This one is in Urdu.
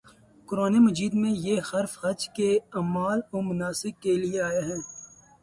قرآنِ مجید میں یہ لفظ حج کے اعمال و مناسک کے لیے آیا ہے